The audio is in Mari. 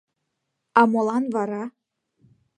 — А молан вара?